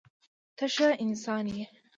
ته ښه انسان یې.